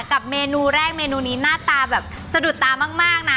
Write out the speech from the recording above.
กับเมนูแรกเมนูนี้หน้าตาแบบสะดุดตามากนะ